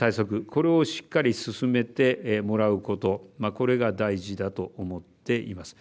これをしっかり進めてもらうことこれが大事だと思っています。